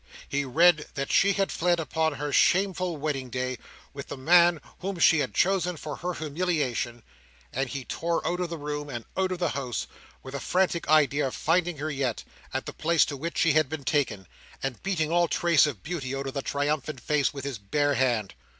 He read that she had fled, upon her shameful wedding day, with the man whom he had chosen for her humiliation; and he tore out of the room, and out of the house, with a frantic idea of finding her yet, at the place to which she had been taken, and beating all trace of beauty out of the triumphant face with his bare hand.